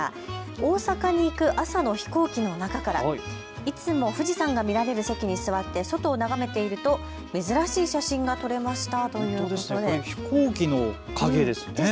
大阪に行く朝の飛行機の中からいつも富士山が見られる席に座って外を眺めていると珍しい写真が撮れましたということで飛行機の影ですね。